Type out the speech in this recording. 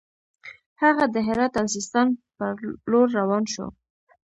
هغه د هرات او سیستان پر لور روان شو.